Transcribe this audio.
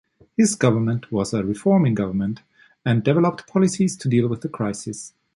His government was a reforming government and developed policies to deal with the crises.